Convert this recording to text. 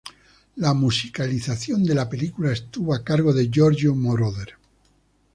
La musicalización de la película estuvo a cargo de Giorgio Moroder.